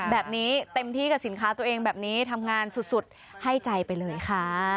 แบบนี้เต็มที่กับสินค้าตัวเองแบบนี้ทำงานสุดให้ใจไปเลยค่ะ